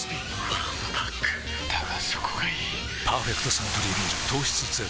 わんぱくだがそこがいい「パーフェクトサントリービール糖質ゼロ」え？え？